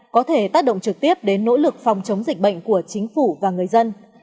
có thể tác động trực tiếp đến nỗ lực phòng chống dịch bệnh của chính phủ và người dân